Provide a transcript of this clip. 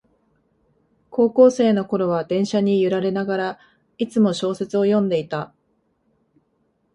高校生のころは電車に揺られながら、いつも小説を読んでいた